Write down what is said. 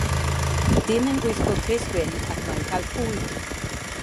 Dyn yn gwisgo crys gwyn ac mae'n cael hwyl.